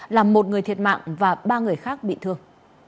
làm một người thiệt mạng và ba người khác bị thương